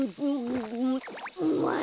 うまい。